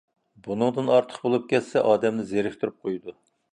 بۇنىڭدىن ئارتۇق بولۇپ كەتسە ئادەمنى زېرىكتۈرۈپ قويىدۇ.